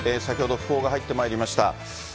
先ほど訃報が入ってまいりました。